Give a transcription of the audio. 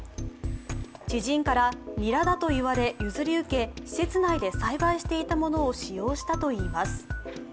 知人からニラだといわれ譲り受け施設内で栽培していたものを使用したといいます。